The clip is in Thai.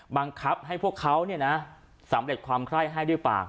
บังคับให้พวกเขาสำเร็จความไคร้ให้ด้วยปาก